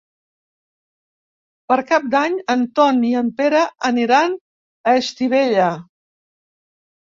Per Cap d'Any en Ton i en Pere aniran a Estivella.